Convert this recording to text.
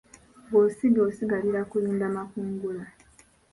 Bw’osiga osigalira kulinda makungula.